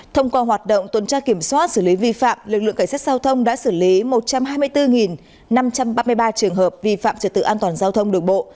thông qua hoạt động tuần tra kiểm soát xử lý vi phạm lực lượng cảnh sát giao thông đã xử lý một trăm hai mươi bốn năm trăm ba mươi ba trường hợp vi phạm trật tự an toàn giao thông đường bộ